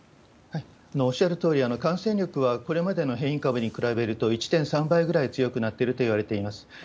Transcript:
おっしゃるとおり、感染力はこれまでの変異株に比べると、１．３倍ぐらい強くなっているといわれています。